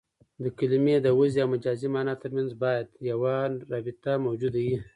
د کلمې د وضعي او مجازي مانا ترمنځ باید یوه رابطه موجوده يي.